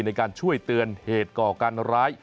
ในการช่วยเตือนเหตุก่อการร้าย